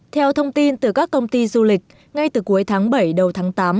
theo thông tin từ các công ty du lịch ngay từ cuối tháng bảy đầu tháng tám